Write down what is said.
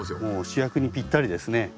主役にぴったりですね。